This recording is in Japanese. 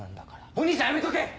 お兄さんやめとけ！